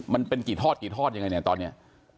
มันเป็นกิษพอร์ตกิฟต์ยังไงเนี้ยตอนเนี้ย